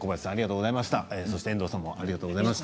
遠藤さんもありがとうございました。